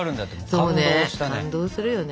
感動するよね。